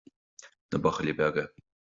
Na buachaillí beaga